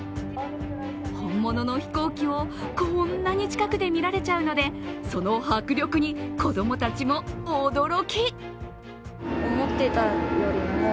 本物の飛行機をこんなに近くで見られちゃうのでその迫力に子供たちも驚き。